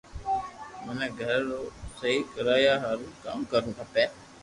مني گھر نو سھي ڪرايا ھارون ڪاو ڪروُ کپي